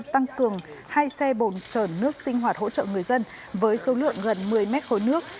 tăng cường hai xe bồn trởn nước sinh hoạt hỗ trợ người dân với số lượng gần một mươi mét khối nước